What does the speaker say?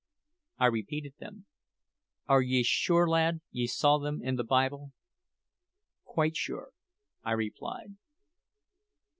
I repeated them. "Are ye sure, lad, ye saw them in the Bible?" "Quite sure," I replied.